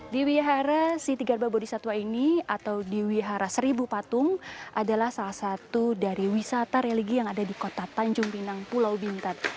di wihara ssitigarbha bodhisattva ini atau di wihara seribu patung adalah salah satu dari wisata religi yang ada di kota tanjung pinang pulau bintat